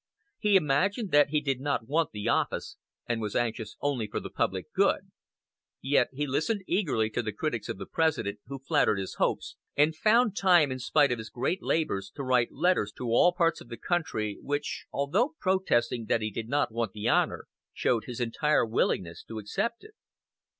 He imagined that he did not want the office, and was anxious only for the public good; yet he listened eagerly to the critics of the President who flattered his hopes, and found time in spite of his great labors to write letters to all parts of the country, which, although protesting that he did not want the honor, showed his entire willingness to accept it.